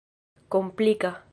komplika